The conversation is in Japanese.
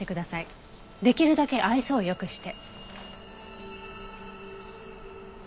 できるだけ愛想を良くして。